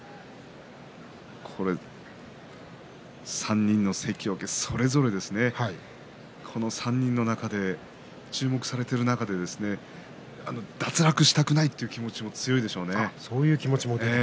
これで３人の関脇それぞれですね３人の中で注目されている中で脱落したくないという気持ちは強いでしょうね。